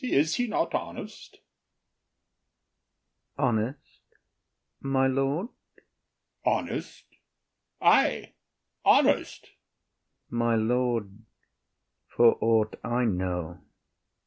Is he not honest? IAGO. Honest, my lord? OTHELLO. Honest? ay, honest. IAGO. My lord, for aught I know.